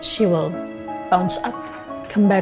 dia akan bergerak kembali